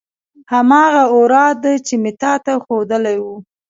هماغه اوراد چې مې تا ته خودلي وو.